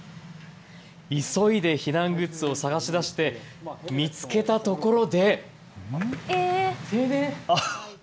急いで避難グッズを探し出して見つけたところで。